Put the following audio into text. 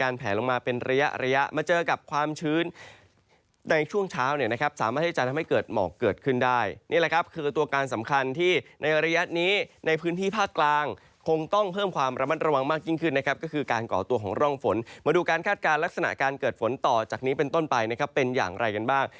ในพื้นที่ภาคกลางคงต้องเพิ่มความระมัดระวังมากยิ่งขึ้นนะครับก็คือการก่อตัวของร่องฝนมาดูการคาดการณ์ลักษณะการเกิดฝนต่อจากนี้เป็นต้นไปนะครับเป็นอย่างไรกันบ้าง